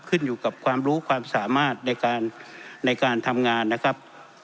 ขึ้นอยู่กับความรู้ความสามารถในการทำงานนะครับ